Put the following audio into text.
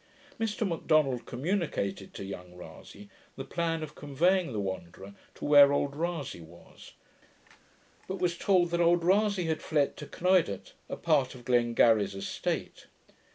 Mr M'Donald communicated to young Rasay the plan of conveying the Wanderer to where old Rasay was; but was told that old Rasay had fled to Knoidart, a part of Glengary's estate.